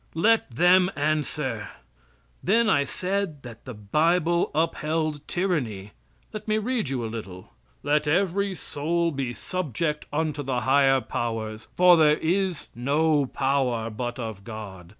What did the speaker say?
Let them answer. Then I said that the bible upheld tyranny. Let me read you a little: "Let every soul be subject unto the higher powers. For there is no power but of God.